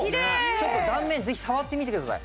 ちょっと断面ぜひ触ってみてください。